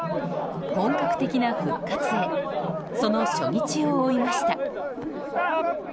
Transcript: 本格的な復活へその初日を追いました。